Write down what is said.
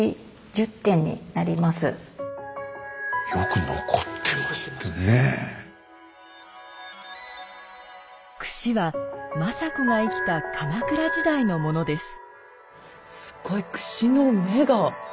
くしは政子が生きた鎌倉時代のものです。